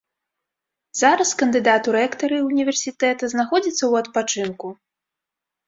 Зараз кандыдат у рэктары ўніверсітэта знаходзіцца ў адпачынку.